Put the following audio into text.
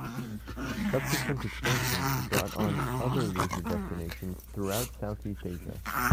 Subsequent expansion brought on other leisure destinations throughout Southeast Asia.